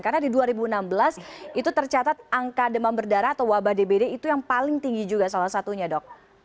karena di dua ribu enam belas itu tercatat angka demam berdarah atau wabah dbd itu yang paling tinggi juga salah satunya dok